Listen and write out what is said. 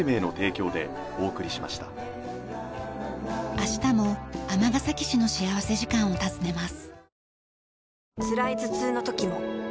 明日も尼崎市の幸福時間を訪ねます。